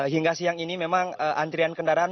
hingga siang ini memang antrian kendaraan